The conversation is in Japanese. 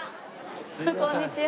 こんにちは。